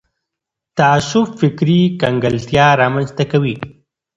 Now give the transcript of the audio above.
تعصب فکري کنګلتیا رامنځته کوي